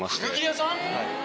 ⁉はい。